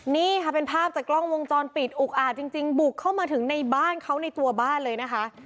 นี่ค่ะเป็นภาพจากกล้องวงจรปิดอุกอาจจริงบุกเข้ามาถึงในบ้านเขาในตัวบ้านเลยนะคะ